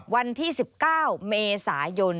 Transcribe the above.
วันที่๑๙เมษายน